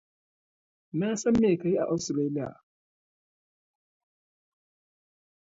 Na san me ka yi a Australia.